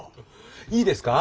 いいですか？